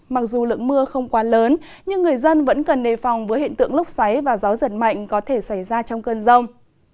mặc dù lượng mưa không quá lớn nhưng người dân vẫn cần nề phòng với hiện tượng lốc xoáy và gió giật mạnh có thể xảy ra trong cơn rông